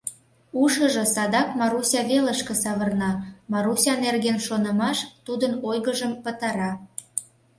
Ушыжо садак Маруся велышке савырна, Маруся нерген шонымаш тудын ойгыжым пытара.